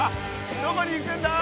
どこに行くんだ？